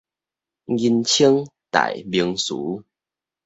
人稱代名詞